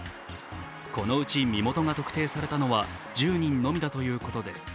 このうち身元が特定されたのは、１０人のみだということです。